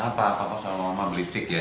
kenapa apa kok sama mama berisik ya